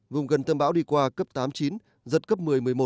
vùng gần tâm bão đi qua cấp tám chín giật cấp một mươi một mươi một